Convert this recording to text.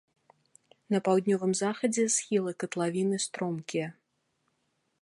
На паўднёвым захадзе схілы катлавіны стромкія.